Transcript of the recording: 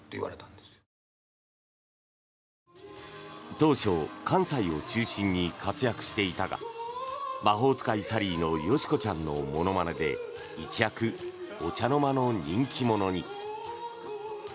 当初、関西を中心に活躍していたが「魔法使いサリー」のよし子ちゃんのものまねで一躍、お茶の間の人気者に。